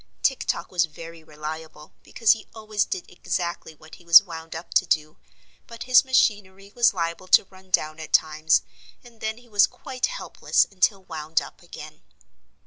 Tik Tok was very reliable because he always did exactly what he was wound up to do, but his machinery was liable to run down at times and then he was quite helpless until wound up again.